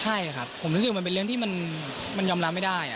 ใช่ครับผมรู้สึกมันเป็นเรื่องที่มันยอมรับไม่ได้